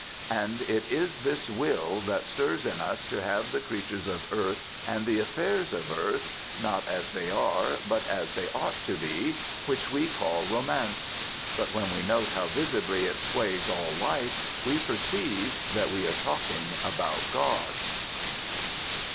And it is this will that stirs in us to have the creatures of earth and the affairs of earth, not as they are, but "as they ought to be," which we call romance. But when we note how visibly it sways all life we perceive that we are talking about God.